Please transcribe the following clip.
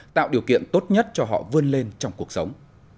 tạo điều kiện tốt nhất cho họ vươn lên trong cuộc sống